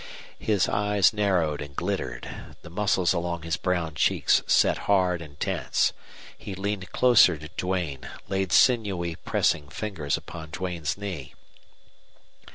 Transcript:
His eyes narrowed and glittered. The muscles along his brown cheeks set hard and tense. He leaned closer to Duane, laid sinewy, pressing fingers upon Duane's knee.